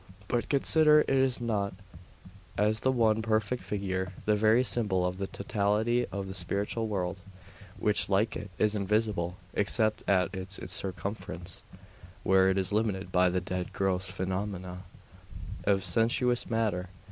But, consider, is it not, as the one perfect figure, the very symbol of the totality of the spiritual world; which, like it, is invisible, except at its circumference, where it is limited by the dead gross phenomena of sensuous matter!